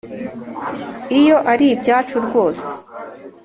iyo ari ibyacu rwose.